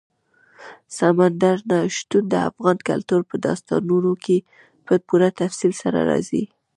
سمندر نه شتون د افغان کلتور په داستانونو کې په پوره تفصیل سره راځي.